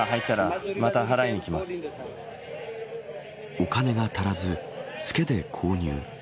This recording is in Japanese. お金が足らずツケで購入。